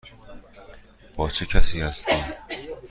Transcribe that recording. با چه کسی هستی؟